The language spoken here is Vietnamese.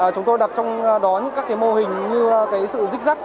chúng tôi đặt trong đó những các mô hình như sự dích dạng